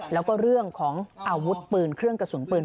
แล้วก็เรื่องของอาวุธปืนเครื่องกระสุนปืน